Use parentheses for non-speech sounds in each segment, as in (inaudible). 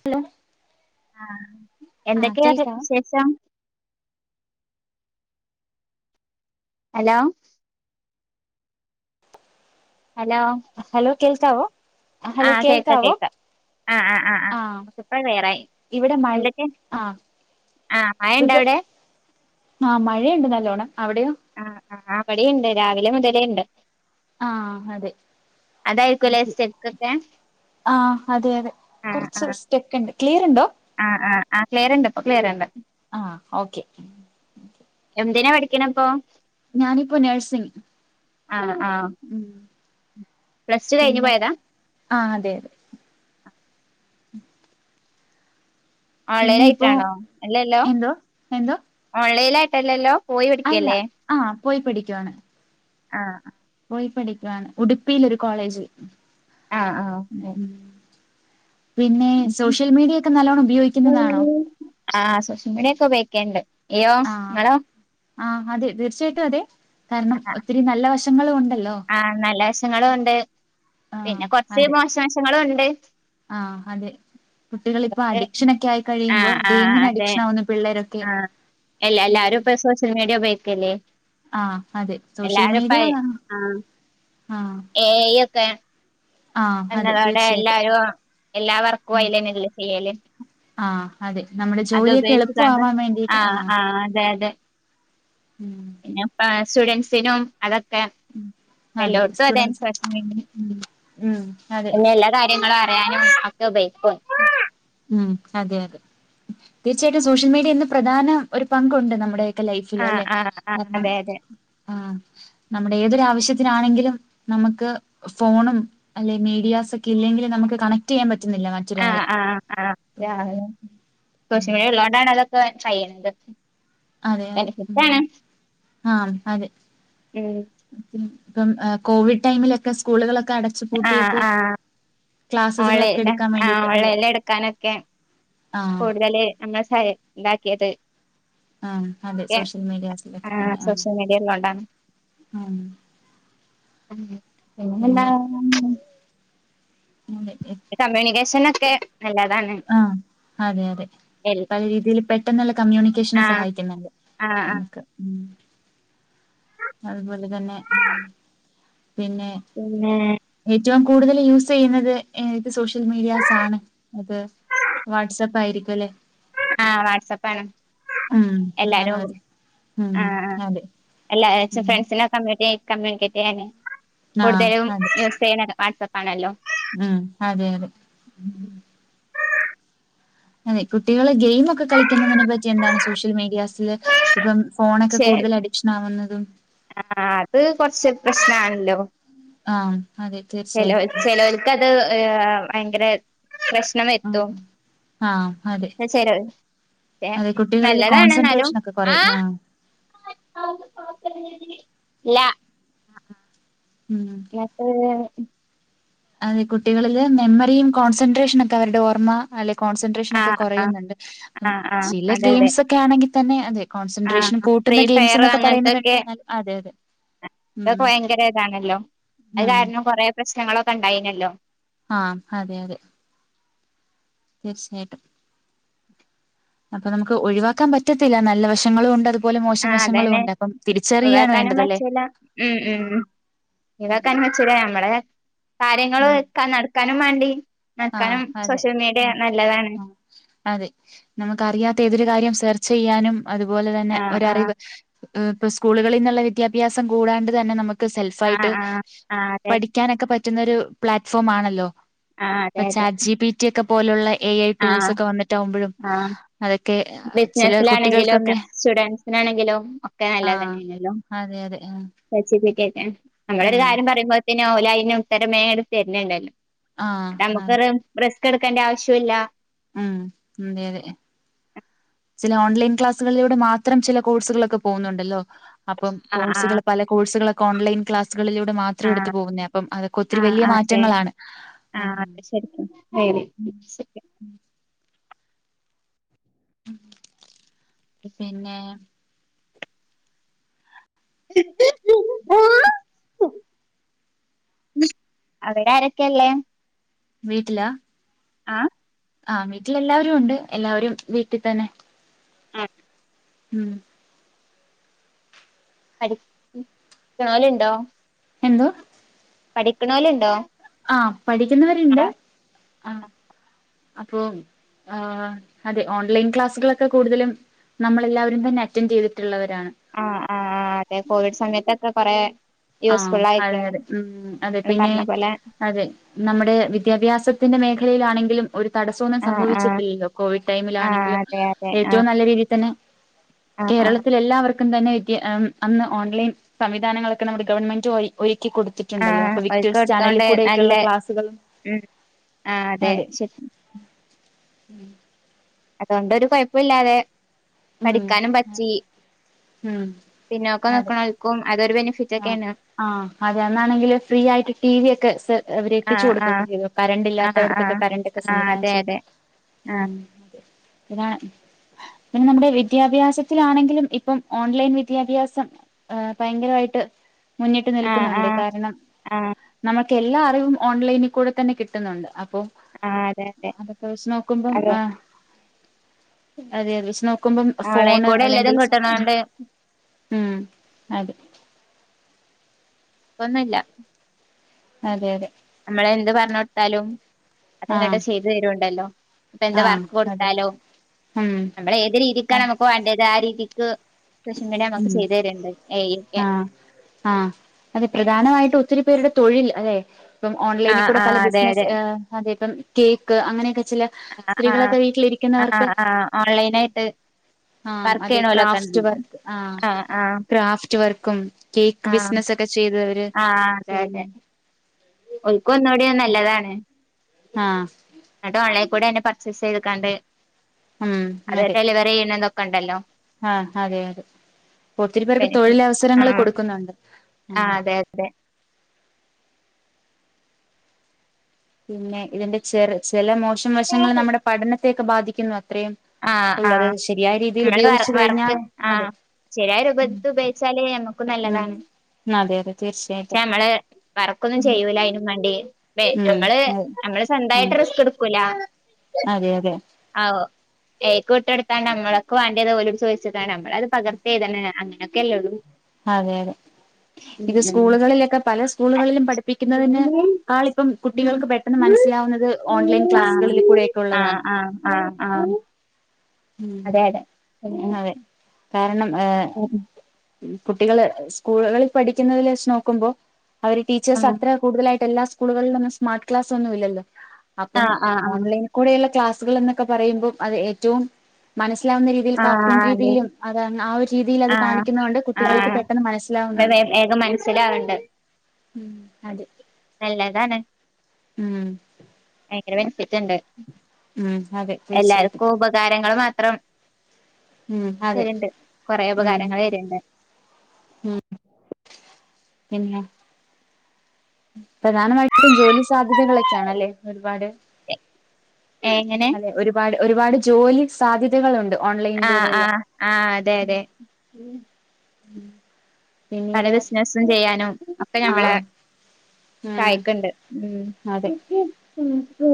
Hello ആഹ് എന്തെക്കെയാ വിശേഷം? ഹലോ ഹലോ അ ഹലോ ആഹ് കേക്ക കേൾക്കാവൊ? കേക്ക ആഹ് ആഹ് ആഹ് ഇപ്പ ക്ളിയറായി ഇവിടെ മഴ എന്തൊക്കെ ആഹ് ആഹ് സുഖം മഴണ്ടവ്ടെ? ആഹ് മഴയ്ണ്ട് നല്ലോണം അവിടെയോ? ആഹ് ആഹ് ഇബടേണ്ട് രാവിലെ മുതലേണ്ട്. ആഹ് അതെ അതായിരിക്കുംല്ലേ സ്റ്റെപ്പൊക്കെ ആഹ് അതെ അതെ കൊറച്ച് സ്റ്റെക്ക്ണ്ട് ക്ലീറ്ണ്ടൊ ആഹ് ആഹ് ആഹ് ക്ലിയർണ്ട് ഇപ്പൊ ക്ലിയർണ്ട് ആഹ് ഓക്കെ തിനെ പഠിക്ക്ണെപ്പോ ഞാനിപ്പൊ നഴ്സിങ് ആഹ് ആഹ് ഉം പ്ലസ് ടു കഴിഞ്ഞ് പിന്നെ പോയതാ ആഹ് അതെ പിന്നെ ഇപ്പോ ഓൺലൈലായിട്ടാണൊ അല്ലല്ലൊ എന്തോ എന്തോ ഓൺലൈലായിട്ട്ല്ലല്ലൊ അല്ല ആഹ് പോയി പഠിക്കുവാണ് ആഹ് പോയി പഠിക്കുവാണ് ഉടുപ്പിയിലൊരു കോളേജിൽ ആഹ് ആഹ് പിന്നെ സോഷ്യൽ മീഡിയ ഒക്കെ നല്ലോണം ഉപയോഗിക്കുന്നതാണോ ആഹ് സോഷ്യൽ മീഡിയൊക്കെ ഉപയോ ണ്ട് യ്യോ ആഹ് ഇങ്ങളോ ആഹ് അതെ തീർച്ച്യായിട്ടും അതെ കാരണം ഒത്തിരി നല്ല വശങ്ങളൂണ്ട് ആഹ് നല്ല വശങ്ങളുണ്ട് ആഹ് പിന്നെ കൊറച്ച് അതെ മോശവശങ്ങളുണ്ട് ആഹ് അതെ കുട്ടികളിപ്പൊ അതുകൊണ്ട് അഡിക്ഷനൊക്കെ ആയി കഴിയുമ്പൊ ആഹ് ആഹ് ഗെയിമിന് അതെ അഡിക്ഷനാവുന്ന പിള്ളേരൊക്കെ ആഹ് എല്ല എല്ലാരും ഇപ്പ സോഷ്യൽ മീഡിയ ഉബയോഗിക്കല്ലെ ആഹ് അതെ സോഷ്യൽ മീഡിയ ആഹ് ആഹ് ഏഹ് ഏ യുക്കെ ആഹ് അതെ എന്നതോടെ തീർച്ചയായിട്ടും എല്ലാരും എല്ലാ വർക്കു ഉം അയിലെന്നല്ലെ ചെയ്യല് ആഹ് അതെ നമ്മുടെ അത് ജോലിയൊക്കെ ഉപയോഗിച്ചു കാണ്ട് എളുപ്പമാവാൻ വേണ്ടിട്ട് ആഹ് ആഹ് അതെ അതെ ഉം പിന്നെപ്പാ സ്റ്റുഡൻസിനും അത് അതെ എല്ലോർത്തും അതാൻ സ്റ്റുഡന്റ്സ് പ്രസ്നം ഉം അതെ എല്ലാ കാര്യങ്ങളും അറിയാനും ഒക്കെ ഉപയോഗിക്കും ഉം അതെ അതെ തീർച്ചയായിട്ടും സോഷ്യൽ മീഡിയന്ന് പ്രധാന ഒരു പങ്കുണ്ട് നമ്മുടെ ലൈഫില് ആഹ് അല്ലെ ആഹ് ആഹ് കാരണം അതെ അതെ ആഹ് നമ്മുടെ ഏതൊരാവശ്യത്തിനാണെങ്കിലും നമുക്ക് ഫോണും അല്ലെ മീഡിയാസ ഒക്കെ ഇല്ലെങ്കിലും ന നമ്മക് കണക്ട് ചെയ്യാൻ പറ്റുന്നില്ല മറ്റൊരാളെ ആ സോഷ്യൽ മീഡിയ ഉള്ളതോണ്ടാണ് അതൊക്കെ കയ്യിണത് അതെ അതെ ഉം ആഹ് അതെ ഉം ഉം ഇപ്പം കോവിഡ് ടൈമിലൊക്കെ സ്കൂളുകളൊക്കെ ആഹ് അടച്ചുപൂട്ടിയപ്പോ ആഹ് ക്ലാസ്സസുകളൊക്കെ ഓൺലൈൻ എടുക്കാൻ ആഹ് വേണ്ടിട്ട് അത് ഓൺലൈനിൽ എടുക്കാനൊക്കെ കൂടുതല് നമ്മൾ സ ഇതാക്കിയത് ആഹ് അതെ എ സോഷ്യൽ മീഡിയാസിലൊക്കെ ആ സോഷ്യൽ മീഡിയ ഇള്ളോണ്ടാണ് ആം (unintelligible) മം വെജ്‌ജ ചെക്കനൊക്കെ നല്ലതാ ആ അതെ അതെ പല രീതിയിൽ പെട്ടെന്നുള്ള കമ്മ്യൂണിക്കേഷന് ആഹ് സഹായിക്കുന്നുണ്ട് ആഹ് ആഹ് നമക്ക് ഉം അതുപോലെ തന്നെ ഉം പിന്നെ പിന്നെ എ ഏറ്റവും കൂടുതൽ യൂസ് ചെയ്യുന്നത് ഏത് സോഷ്യൽ മീഡിയാസ് ആണ് അത് വാട്സ്ആപ്പ് ആയിരിക്കും അല്ലേ ആ വാട്സ്ആപ്പ് ആണ് ഉം ഞാനും എല്ലാരും അതെ ഉം ആ അതെ എല്ലാ ഉം ഫ്രണ്ട്സിനെ കമ്യണികേറ്റ് കമ്മ്യൂണിക്കേറ്റ് ചെയ്യാനേ ആഹ് കൂടുതലും അതെ യൂസ് ചെയ്യണേ വാട്സആപ്പ് ആണല്ലോ ഉം അതെ അതെ ഉം അതെ കുട്ടികളെ ഗെയിംഒക്കെ കളിക്കുന്നതിനെ പറ്റി എന്താണ് സോഷ്യൽ മീഡിയാസിൽ ഇപ്പം ഫോണൊക്കെ കൂടുതൽ അഡിക്ഷൻ ആവുന്നത് ഉം ആ അത് കൊറച്ച് പ്രശ്‌നാണല്ലോ ആഹ് അതെ ചേലോൽ തീർച്ചയായിട്ടും ചെലോൽക്കത് അത് ഏ ഭയങ്കര പ്രശ്നം ആ എത്തും ആഹ് അതെ ചേലോൽ ഏഹ് അതെ കുട്ടികളിൽ നല്ലതാണ് എന്നാലും കോൺസെൻട്രേഷൻ ഒക്കെ ആ കുറയും ല്ല ഉം മേ (unintelligible) അതെ കുട്ടികളില് മെമ്മറിയും കോൺസെൻട്രേഷന ഒക്കെ അവരുടെ ഓർമ്മ അല്ലെ കോൺസെൻട്രേഷനൊക്കെ ആഹ് ആഹ് കൊറയുന്നുണ്ട് ആഹ് ആഹ് ചില അതെ അതെ ഗെയിംസൊക്കെ ആണെങ്കിതന്നെ അത് കോൺസെൻട്രേഷനും ആഹ് കൂ ഫ്രീ കൂട്ടുന്ന ഗെയിംസ് ഫയർ എന്നൊക്കെ പറയുന്നതുണ്ട് അതെ അതെ ഉം അതൊക്കെ ഭയങ്കര ഇതാണല്ലോ അത് ഉം കാരണം കൊറേ പ്രശ്നങ്ങളൊക്കെ ഇണ്ടയിനല്ലോ ആഹ് അതെ അതെ തീർച്ചയായിട്ടും അപ്പൊ നമുക്ക് ഒഴിവാക്കാൻ പറ്റത്തില്ല നല്ല വശങ്ങളും ഉണ്ട് അത് പോലെ മോശം ആഹ് വശങ്ങളും അതന്നെ ഉണ്ട് അപ്പം തിരിച്ചറിയാണ് ഒഴിവാക്കാനും വേണ്ടത് അല്ലെ ആ ഇതൊക്കെന വെച്ചില്ലേ നമ്മടെ കാര്യങ്ങള് ക്കെ നടക്കാനും മാണ്ടി ആഹ അതെ ഉം ആ അതെ നമുക്ക് അറിയാത്ത ഏതൊരു കാര്യം സേർ ചെയ്യാനും അതുപോലെ തന്നെ ആഹ് ആഹ് ഒരറിവ് ഉം ഇപ്പ സ്കൂളുകളിന്നുള്ള വിദ്യാഭ്യാസം കൂടാണ്ട് തന്നെ നമുക്ക് സെൽഫായിട്ട് ആഹ് ആഹ് ആഹ് അതെ പഠിക്കാനൊക്കെ പറ്റുന്നൊരു പ്ലാറ്റ്ഫോം ആണല്ലോ ആഹ് പ്പോ അതെ അതെ ചാറ്റ് ജി പി ടി ഒക്കെ പോലെയുള്ള എ ഐ ആഹ് ടൂൾസ് ഒക്കെ വന്നിട്ടാവുമ്പോഴും ആഹ് അതൊക്കെ ചില ബിസിനസിലാണെങ്കിലും കുട്ടികൾക്കൊക്കെ സ്റ്റുഡൻസിനാണെങ്കിലും ഒക്കെ നല്ല- ആഹ് തന്നെയണല്ലോ അതെ അതെ ച്ച (unintelligible) നമ്മളൊരു ആഹ് കാര്യം പറയുമ്പോത്തിന് ഓലയിന് ഉത്തരം മേം തരണണ്ടല്ലോ ആഹ് നമുക്ക അതെ റിസ്ക് എടുക്കേണ്ട ആവശ്യുല്ല ഉം ഉം അതെ അതെ ചില ഓൺലൈൻ ക്ലാസ്സുകളിലൂടെ മാത്രം ചില കോഴ്സുകളൊക്കെ പോകുന്നുണ്ടല്ലോ അപ്പം കോഴ്സുകൾ ആഹ് പല കോഴ്സുകളൊക്കെ ഓൺലൈൻ ക്ലാസ്സുകളിലൂടെ മാത്രം എടുത്തു ആഹ് പോകുന്നേആ അപ്പം അതൊക്കെ ഒത്തിരി ആഹ് ലിയ ആഹ് ആഹ് അതെ മാറ്റങ്ങളാണ് ആഹ് മ് അതെ (unintelligible) പിന്നെ ആ അവിടെ ആരൊക്ക്യ ള്ളെ.? വീട്ട്ല? ആഹ് ആഹ് വീട്ടിൽ എല്ലാവരു ഒണ്ട് എല്ലാവരും വീട്ടി തന്നെ. മ്. ഉം. അടി ല് ണ്ടോ.? എന്തോ.? പഠിക്ക്ണോല്ണ്ടോ? ആ പഠിക്ക്‌ന്നവര്ണ്ട് അ. അപ്പൊ ആ അതെ ഓൺലൈൻ ക്ലാസ്കള്ക്കെ കൂടുതലും നമ്മളെല്ലാവരും തന്നെ അറ്റന്റ് യ്തിട്ട്ള്ളവര് ആ ആ (unintelligible) കോവിഡ് സമയത്തെക്കെ കൊറേ ആ അതെ അതെ മ് അതെ ഇങ്ങള് പിന്നെ പറഞ്ഞ പോലെ അതെ നമ്മ്ടെ വിദ്യാഭ്യാസത്തിന്റെ മേഖ (unintelligible) ലാണെങ്കിലും ഒരു തടസോ ന്നും ആഹ് ആഹ് സംഭവിച്ചിട്ടില്ലല്ലോ കോവിഡ് ആഹ് ടൈമിലാണെങ്കിലും അതെ അതെ ആഹ് ഏറ്റവും നല്ല രീതിയിൽ തന്നെ ആഹ് ആഹ് കേരളത്തിൽ എല്ലാവർക്കും തന്നെ വിദ്യ അന്ന് ഓൺലൈൻ സംവിധാനങ്ങള് ക നമ്മുടെ ഗവൺമെന്റ് വഴി ഒഴി കൊടുത്തി ട്ടു ണ്ടല്ലോ ആഹ് അപ്പൊ ഓൽക്ക് വിക്ടേസ് ചാനല്ല് എടുത്തോണ്ട് കൂടെയൊക്കെള്ള ക്ലാസ്കൾ ആഹ അതെ ശ മ് അത്കൊണ്ടൊരു കൊയപ്പൊല്ലാതെ ഉം പഠിക്കാനും പറ്റി ഉം പിന്നോക്കെ നിക്ക്ണോൽക്കും അതൊരു ബെന്ഫ ആ ആ് അതെന്നാണെങ്കില് ഫ്രീ ആയിട്ട് ടി വി ഒക്കെ സാ വര് എത്തിച്ച ആഹ് കൊടുക്കുകൊക്കെ ആഹ് ചെയ്യും കര ണ്ടില്ലാത്ത ആഹ് ട്ത്ത്കെ ആഹ് കറണ്ട് ഒക്കെ ആഹ് അതെ സംവിധാൻച്ച് അതെ ആഹ് മ് ഇതാ പിന്നെ മ്മുടെ വിദ്യാഭ്യാസത്തിലാണെങ്കിലും ഇപ്പം ഓൺലൈൻ വിദ്യാഭ്യാസം ഏ ഭയങ്കരവായിട്ട് മുന്നിട്ട് ആഹ് നിൽക്കുന്നുണ്ട് ആഹ് കാരണം ആഹ് നമക്ക് എല്ലാ അറിവും ഓൺലൈനി കൂടെ തന്നെ കിട്ടുന്നുണ്ട് അ ഒ ആഹ് അതെ അതെ അതൊക്കെ വെച്ച് നോക്കുമ്പം അതെ ആ അതെ അത് വിച് നോ ക്കുമ്പം ഓൺലൈൻ ഫോണ് കൂടെ അല്ലെങ്കിൽ എല്ലതും സ് കിട്ടണോണ്ട് മ് അതെ. പ്പന്നുല്ല. അതെ അതെ. നമ്മള എന്ത് പറഞ്ഞോ ട്ത്താലും- ആഹ് അതനടെ ചെയ്തുവ രുണ്ടല്ലോ ഇപ്പ എന്താ ആഹ് വർക്ക് അതെ ടുത്താലു ഉം നമ്മള ഏത് രീതിക്കാണ് അതെ അമക്ക് വേണ്ടത് ആ രീതിക്ക് ശമീഡിയ മക്ക് ചെയ്ത് ര്ണ്ട് ഏയ്ക്കെ. ആ അതെ പ്രധാനമായിട്ട് ഒത്തിരി പേരുടെ തൊഴിൽ അതെ ഇപ്പം ഓൺലൈനി ആഹ് കൂടെ പല ആഹ് അതെ ബിസിനസ് അതെ ഏ അതെപ്പം കേക്ക് അങ്ങനെക്കെ ചില ആഹ് സ്ത്രീകളൊക്കെ ആഹ് വീട്ടിലിരിക്കുന്നവർക്ക് ആഹ് ആഹ് ഓൺലൈനായിട്ട് ആ വർക്ക് അതെ ചെയ്യണോലൊക്കെ ക്രാഫ്റ്റ് ഉണ്ടല്ലോ വർക്ക് ആ ആഹ് ആഹ് ക്രാഫ്റ്റ് വർക്കും കേക്ക് ആഹ് ബിസിനസ് ക്കെ ചെയ്ത വര് ചെയ്യ്ന്ന ഒൽക് ന്നൂടി അ നല്ലതാണ്. ആഹ് കുടെ ന്നെ പർച്ചേസ് ചെയ്ത്ക്കാണ്ട് ഉം അത് അതെ ഡെലിവറി യ്യ്ണ ന്ധോകോ ണ്ടല്ലോ ആഹ് അതെ അതെ ഒത്തിരി പേർക്ക് ബെനിഫി ആ തൊഴിലവസരങ്ങൾ കൊടുക്കുന്നുണ്ട് ആ ഉം അതെ അതതെ പിന്നെ ഇതിന്റെ ചെറ് ചെല മോശം വശങ്ങൾ നമ്മുടെ പഠനത്തെയൊക്കെ ബാധിക്കുന്നു അത്രയും ആഹ് ഉള്ളത് ആഹ് ശരിയായ രീതിയിൽ നമ്മള് ഉപയോഗിച്ചു കഴിഞ്ഞാ വർക്ക് അതെ ആഹ് ശരിയായ രൂപത്തി ഉപയോഗിച്ചാല് നമക്കും ഉം നല്ലതാണ് അതെ അതെ പക്ഷെ തീർച്ചയായിട്ടും ഞമ്മള് വർക്കൊന്നും ചെയ്യൂല അയിനും വേണ്ടി ഏ ഉം നമ്മള് അതെ നമ്മള് ഉം സ്വന്തായിട്ട് റിസ്ക് എടുക്കൂല അതെ അതെ ആ ഓ അയിക്ക് വീട്ടോടുത്താ നമ്മള്ക്ക്‌ വേണ്ടത് ഓലോട് ചോദിച്ചി ത നമ്മള അത് പകർത്തി എഴുതാനാണ് അങ്ങനൊക്കെല്ലേ ഉള്ളൂ അതെ അതെ ഇത് ഉം സ്കൂളുകളിലൊക്കെ പല സ്കൂളുകളിലും പഠിപ്പിക്കുന്നതിന് ആളിപ്പം കുട്ടികൾക്ക് പെട്ടെന്ന് മന മനസ്സിലാവുന്നത് ഓൺലൈൻ ഉം ആഹ് ക്ലാസ്സുകളിൽ കൂടെയൊക്കെ ആഹ് ഉള്ളതാണ് ആഹ് ആഹ് ആഹ് ഉം അതെ അതെ ആഹ് അതെ കാരണം ഏ കുട്ടികള് സ്കൂളുകളിൽ പഠിക്കുന്നതിൽ വച്ച് നോക്കുമ്പോ അവര് ടീച്ചേർസ് ആഹ് അത്ര കൂടുതലായിട്ട് എല്ലാ സ്കൂളിലൊന്നും സ്മാർട്ട്ക്ലാസ് ഒന്നുമില്ലല്ലോ അപ്പം ആഹ് ആഹ് ആഹ് ഓൺലൈനീക്കൂടെയുള്ള ക്ലാസ് കൾ എന്നൊക്കെ പറയുമ്പോ അത് ഏറ്റവും മനസിലാവുന്ന രീതിയിൽ കാർട്ടൂൺ അതെ രീതിയിലും അത് ന്നാ ആ ഒരു രീതിയിൽ അത് ആഹ് കാണിക്കുന്നൊണ്ട് കുട്ടികൾക്ക് ആഹ് പെട്ടെന്ന് മനസ്സിലാവുന്നുണ്ട് വേഗം മനസ്സിലാവണ്ട് മ്മ് അത നല്ലതാണ് മ്മ്മ് ഭയങ്കര ബെനിഫിറ്റുണ്ട് അതെ തീർച്ചയായിട്ടും എല്ലാര്ക്കും ഉപകാരങ്ങൾ മാത്രം മ്മ് അതെ റെ ഉം ഉപകാരങ്ങൾ വര്ണ്ട് ഉം പിന്നെ.. പ്രധാനമായിട്ടും ജോലി സാധ്യതകളൊക്കെയാണല്ലേ ഒരുപാട് എങ്ങനെ അതെ ഒരുപാട് ഒരുപാട് ജോലി സാധ്യതകളുണ്ട് ആ ആ ഓൺലൈനിലൂടെയെല്ലാം ആ അതെ അതെ ഉം പല ബിസിനസും ചെയ്യാനും അപ്പ ഞമ്മളെ ആഹ് ഉം സഹായിക്കണ്ട് അതെ മ്മ് മ്മ് മ്മ്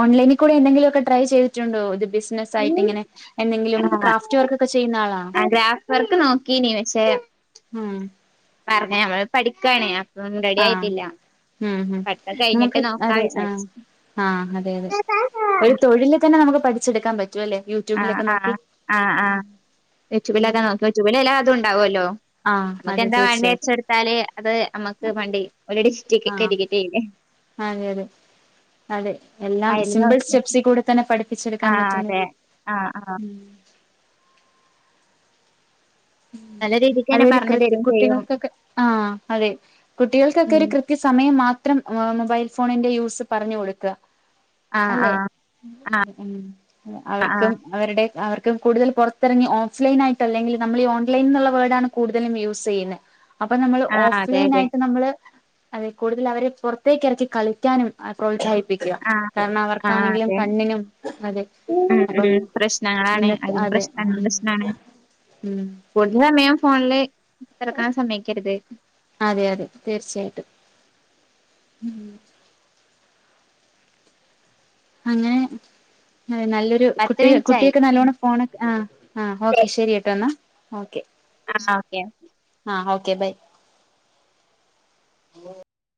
ഓൺലൈനിക്കൂടെ എന്തെങ്കിലൊക്കെ ട്രൈ ചെയ്തിട്ടുണ്ടോ ഇത് ബിസിനസായിട്ട് ഇങ്ങനെ എന്തെങ്കിലും ആഹ് ക്രാഫ്റ്റ് വർക്ക് ഒക്കെ ചെയ്യുന്ന ആളാണോ ആഹ് ഗ്രാഫ് വർക്ക് നോക്കീനി പക്ഷെ മ്മ് പറഞ്ഞ ഞമ്മള് പഠിക്കാണ് അപ്പം റെഡി ആയിട്ടില്ല മ്മ്ഹ് പഠിത്തം കഴിഞ്ഞിട്ട് നമുക്ക് നോക്കാ അതെ ആഹ് വിചാരിച്ച് ആഹ് അതെ അതെ ഒരു തൊഴിൽ തന്നെ നമുക്ക് പഠിച്ചെടുക്കാൻ പ ആ ആ ആ ആ യൂട്യുബിലൊക്കെ നോക്കും യൂട്യൂബിലെല്ലാതും ണ്ടാവല്ലോ ആഹ് നമക്ക് അതെ എന്താ വേണ്ടി തീർച്ചയായിട്ടും വെച്ചെടുത്താല് അത് നമ്മുക്ക് വണ്ടി ഒരു ഡിസ്ട്രിക് ആഹ് കടിക്കറ്റ് ചെയ്യില്ലെ അതെ അതെ അതെ എല്ലാം അയില് സിമ്പിൾ നോക്കി സ്റ്റെപ്സി കൂടെ തന്നെ ആ പഠിപ്പിച്ചെടുക്കാൻ പറ്റുന്ന അതെ രീതി ആഹ് ആഹ് ഉം നല്ല രീതിക്ക് തന്നെ അതൊരു പറഞ്ഞു കൃത്യ തരും ചെയ്യും കുട്ടികൾക്കൊക്കെ ആ അതെ കുട്ടികൾക്കൊക്കെ ഉം ഒരു കൃത്യ സമയം മാത്രം ആ മൊബൈൽ ഫോണിന്റെ യൂസ് പറഞ്ഞു കൊടുക്ക ആ ആ അല്ലെ മ്മ് ആ ആ അവർക്കും അവരുടെ അവർ ക്ക്‌ കൂടുതൽ പുറത്തിറങ്ങി ഓഫ്‌ലൈനായിട്ടല്ലെങ്കിൽ നമ്മളീ ഓൺലൈൻന്നുള്ള വേർഡാണ് കൂടുതലും യൂസെയ്യുന്നെ അപ്പൊ നമ്മള് ആ അതെ അതെ ഓഫ്‌ലൈനായിട്ട് നമ്മള് അതെ കൂടുതൽ അവരെ പുറത്തേക്ക് ഇറക്കി കളിക്കാനും പ്രോത്സാഹി പ്പിക്ക ആ കാരണം ആ അവർക്കാണെങ്കിലും അതെ കണ്ണിനും അതെ ഉം അപ്പം ഉം പ്രശ്നങ്ങളാണ് ഇന്നത്തെ അതിന് അതെ പ്രശ്നാണ് പ്രശ്നാണ് ഉം കൂടുതൽ സമയം ഫോണില് തുറക്കാ ൻ സമ്മതി ക്കരുത് അതെ അതെ തീർച്ചയായിട്ടും. അങ്ങനെ അതെ നല്ലൊരു പത്ത് കുട്ടി മിനിറ്റായി കുട്ടിയക്കെ നല്ലോണം ഫോൺ ആ ആ ഓക്കെ ശെരി കേട്ടോ എന്നാ ഓക്കെ ആഹ ഓക്കെ. ആ ഓക്കെ ബൈ